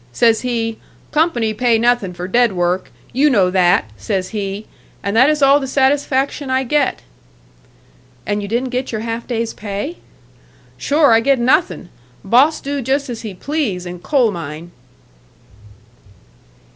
Says he, 'Company pay nothin' for dead work you know that,' says he, and that is all the satisfaction I get." "And you didn't get your half day's pay?" "Sure I get nothin'. Boss do just as he please in coal mine."